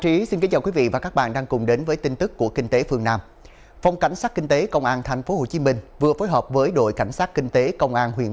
rồi chúng ta phải cắt ngắn thêm